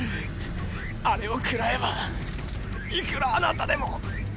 あれをくらえばいくらあなたでも。